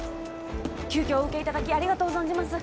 急きょお受けいただきありがとう存じます